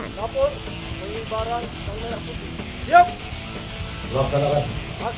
kampung penghibaran tanggal yang penting